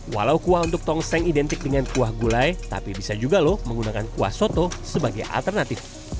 walau kuah untuk tongseng identik dengan kuah gulai tapi bisa juga loh menggunakan kuah soto sebagai alternatif